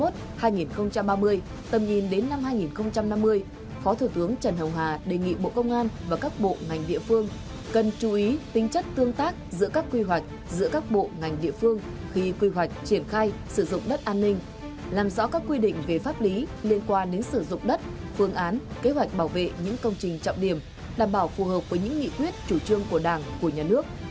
từ năm hai nghìn hai mươi một hai nghìn ba mươi tầm nhìn đến năm hai nghìn năm mươi phó thủ tướng trần hồng hà đề nghị bộ công an và các bộ ngành địa phương cần chú ý tinh chất tương tác giữa các quy hoạch giữa các bộ ngành địa phương khi quy hoạch triển khai sử dụng đất an ninh làm rõ các quy định về pháp lý liên quan đến sử dụng đất phương án kế hoạch bảo vệ những công trình trọng điểm đảm bảo phù hợp với những nghị quyết chủ trương của đảng của nhà nước